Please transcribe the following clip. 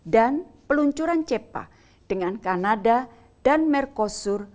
dan peluncuran cepa dengan kanada dan merkosur